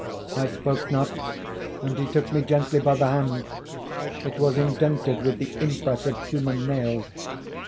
I spoke not, and he took me gently by the hand: it was indented with the impress of human nails.